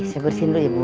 saya bersihin dulu ya bu